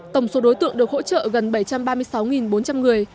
tổng số đối tượng được hỗ trợ gần bảy trăm ba mươi sáu bốn trăm linh người